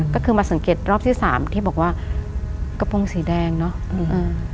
ก็คือมาสังเกตรอบที่สามที่บอกว่ากระโปรงสีแดงเนอะอืมอ่า